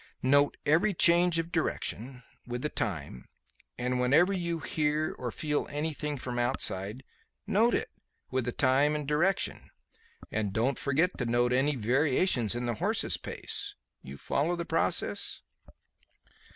Note every change of direction, with the time; and whenever you hear or feel anything from outside, note it, with the time and direction; and don't forget to note any variations in the horse's pace. You follow the process?"